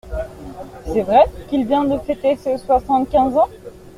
C’est vrai qu’il vient de fêter ses soixante-quinze ans?